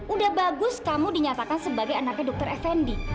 udah bagus kamu dinyatakan sebagai anaknya dokter fnd